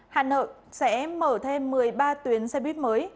hà nội sẽ mở thêm một mươi ba tuyến xe buýt mới